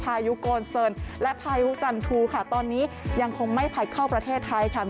พายุโกนเซินและพายุจันทูค่ะตอนนี้ยังคงไม่พัดเข้าประเทศไทยค่ะ